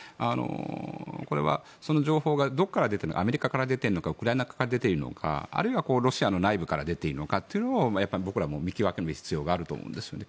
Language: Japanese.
これはその情報がどこから出ているのかアメリカから出ているのかウクライナから出ているのかあるいはロシアの内部から出ているのかというのをやっぱり僕らも見極める必要があると思うんですね。